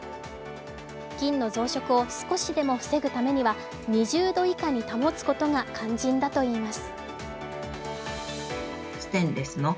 菌の増殖を少しでも防ぐためには２０度以下に保つことが肝心だといいます。